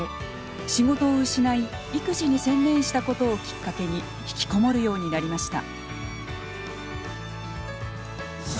仕事を失い育児に専念したことをきっかけにひきこもるようになりました。